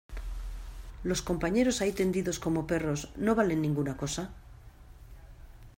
¿ los compañeros ahí tendidos como perros, no valen ninguna cosa?